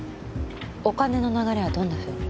お金の流れはどんなふうに？